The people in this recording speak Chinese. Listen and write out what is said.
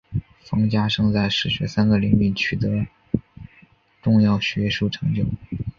冯家升在史学三个领域取得重要学术成就。